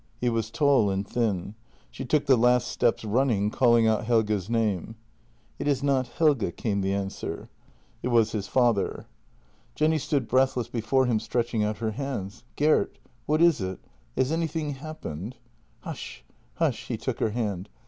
He was tall and thin. She took the last steps running, calling out Helge's name. " It is not Helge," came the answer. It was his father. Jenny stood breathless before him, stretching out her hands: " Gert — what is it? — has anything happened?" "Hush, hush! " He took her hand.